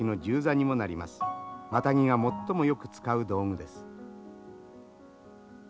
マタギが最もよく使う道具です。